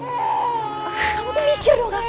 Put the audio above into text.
kamu tuh mikir dong gafi